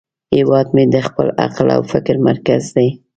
هیواد مې د خپل عقل او فکر مرکز دی